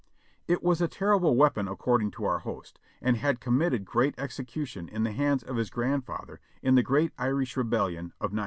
It was a terrible weapon according to our host, and had com mitted great execution in the hands of his grandfather in the great Irish rebellion of '98.